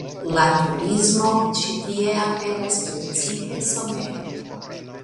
La turismo ĉi tie aperas precipe somere.